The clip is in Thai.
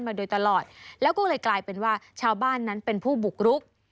มาโดยตลอดแล้วก็เลยกลายเป็นว่าชาวบ้านนั้นเป็นผู้บุกรุก